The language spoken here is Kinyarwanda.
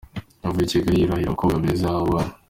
Yavuye i Kigali yirahira abakobwa beza yahabonye.